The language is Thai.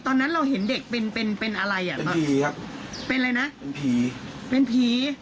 ตอนนั้นเราเห็นเด็กเป็นอะไรเป็นผีครับเป็นอะไรนะเป็นผี